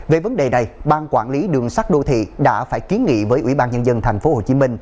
về vấn đề này ban quản lý đường sắt đô thị đã phải kiến nghị với ủy ban nhân dân tp hcm